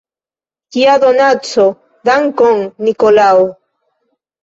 Kia donaco: dankon, Nikolao!